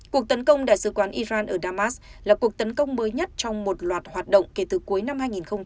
cuộc tấn công đại sứ quán iran ở damas là cuộc tấn công mới nhất trong một loạt hoạt động kể từ cuối năm hai nghìn một mươi ba